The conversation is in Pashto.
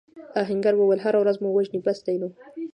آهنګر وویل هره ورځ مو وژني بس دی نور.